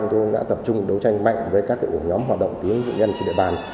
đã tập trung đấu tranh mạnh với các nhóm hoạt động tiến dụng nhân trên địa bàn